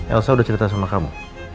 elsa udah cerita sama kamu